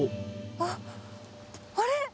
あっ、あれ？